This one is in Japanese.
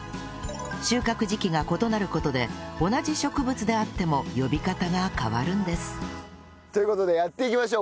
収穫時期が異なる事で同じ植物であっても呼び方が変わるんですという事でやっていきましょう。